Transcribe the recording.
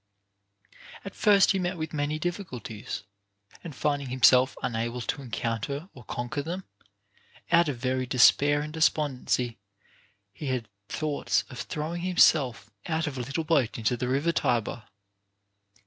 At first he met with many difficulties ; and finding himself unable to encounter or conquer them, out of very despair and despondency, he had thoughts of throwing himself out of a little boat into the river Tiber.